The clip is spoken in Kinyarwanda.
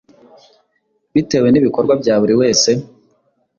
bitewe n’ibikorwa bya buri wese.